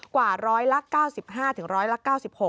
กว่า๑๐๐ละ๙๕ถึง๑๐๐ละ๙๖